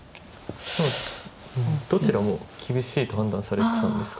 どちらも厳しいと判断されてたんですかね。